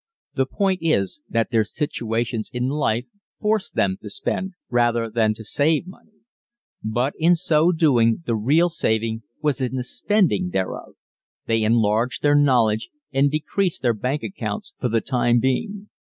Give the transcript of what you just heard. The point is that their situations in life force them to spend rather than to save money. But in so doing the real saving was in the spending thereof. _They enlarged their knowledge and decreased their bank accounts for the time being.